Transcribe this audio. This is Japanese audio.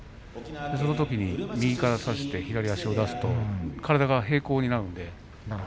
そのときに右から差して左足を出すと体が平行になるので。